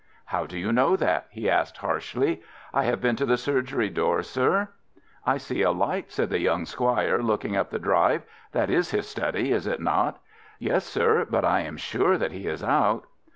"How do you know that?" he asked, harshly. "I have been to the surgery door, sir." "I see a light," said the young squire, looking up the drive. "That is in his study, is it not?" "Yes, sir; but I am sure that he is out."